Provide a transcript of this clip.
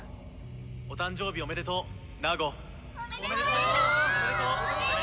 「お誕生日おめでとうナーゴ」「おめでとう！」